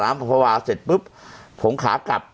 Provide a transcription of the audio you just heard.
ภาวะเสร็จปุ๊บผมขากลับ